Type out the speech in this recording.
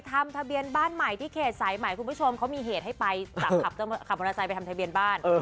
ขำมอเตอร์ไซจะไปทำทะเบียนบ้าน